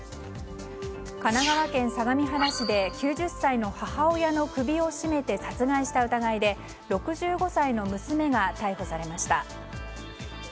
神奈川県相模原市で９０歳の母親の首を絞めて殺害した疑いで６５歳の娘が逮捕されました。